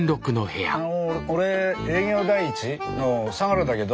あの俺営業第一？の相良だけど。